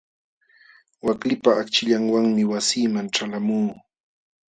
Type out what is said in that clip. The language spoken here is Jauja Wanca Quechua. Waklipa akchillanwanmi wasiiman ćhalqamuu.